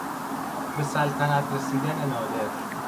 به سلطنت رسیدن نادر